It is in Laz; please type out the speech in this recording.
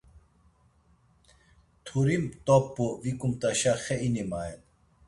Mturi t̆op̌u vikumt̆aşa xe ini mayen.